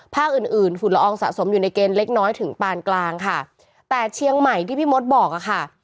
ภาคอื่นอื่นฝุ่นละอองสะสมอยู่ในเกณฑ์เล็กน้อยถึงปานกลางค่ะแต่เชียงใหม่ที่พี่มดบอกอะค่ะ